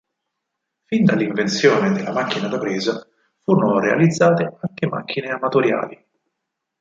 Fin dall'invenzione della macchina da presa furono realizzate anche macchine amatoriali.